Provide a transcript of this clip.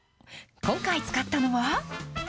今回、使ったのは。